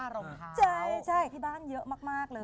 ใช่ที่บ้านเยอะมากเลย